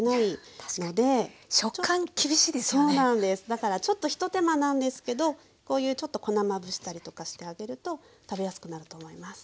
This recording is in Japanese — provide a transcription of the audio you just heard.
だからちょっと一手間なんですけどこういうちょっと粉まぶしたりとかしてあげると食べやすくなると思います。